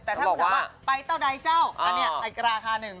แต่ถ้าคุณถามว่าไปเต้าใดเจ้าอันนี้อีกราคาหนึ่ง